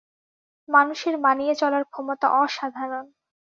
মানুষের মানিয়ে চলার ক্ষমতা অসাধারণ।